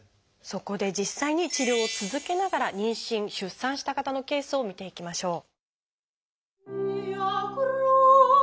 そこで実際に治療を続けながら妊娠・出産した方のケースを見ていきましょう。